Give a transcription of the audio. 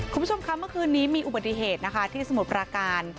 คุณผู้ชมคะเมื่อคืนนี้มีอุบัติเหตุนะคะที่สมุทรปราการ